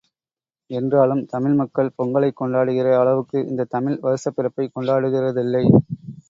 என்றாலும் தமிழ் மக்கள் பொங்கலைக் கொண்டாடுகிற அளவுக்கு இந்தத் தமிழ் வருஷப் பிறப்பைக் கொண்டாடுகிறதில்லை.